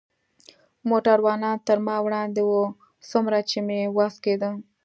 موټروانان تر ما وړاندې و، څومره چې مې وس کېده.